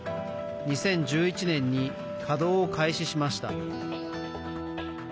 ２０１１年に稼働を開始しました。